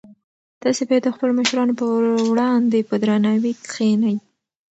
تاسي باید د خپلو مشرانو په وړاندې په درناوي کښېنئ.